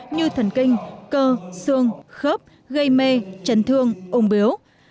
như thần kinh cơ xương khớp gây mê trần thương ống biếu